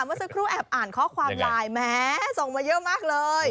เมื่อสักครู่แอบอ่านข้อความไลน์แม้ส่งมาเยอะมากเลย